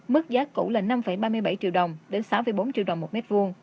mức giá cũ là năm ba mươi bảy triệu đồng đến sáu bốn triệu đồng một m hai